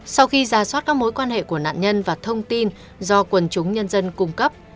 sau khi giả soát các mối quan hệ của nạn nhân và thông tin do quần chúng nhân dân cung cấp